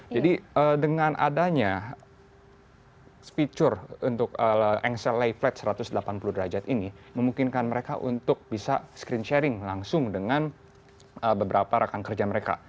jadi dengan adanya fitur untuk angcelay flight satu ratus delapan puluh derajat ini memungkinkan mereka untuk bisa screen sharing langsung dengan beberapa rakan kerja mereka